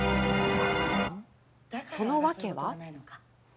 その訳は。